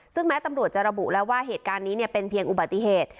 ซึ่งแม้ตำรวจจะระบุแล้วว่าเหตุการณ์นี้เป็นเพียงอุบัติเหตุ